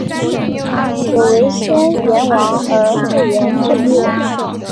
曷为先言王而后言正月？